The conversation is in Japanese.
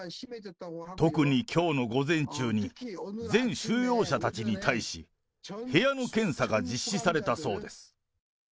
特にきょうの午前中に、全収容者たちに対し、部屋の検査が実施されたそうです。